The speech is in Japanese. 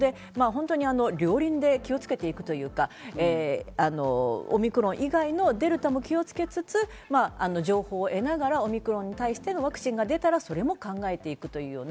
両輪で気をつけていくというか、オミクロン以外のデルタも気をつけつつ、情報を得ながら、オミクロンに対してのワクチンが出たらそれも考えていく。